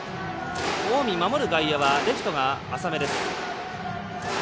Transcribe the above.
近江守る外野はレフトが浅め。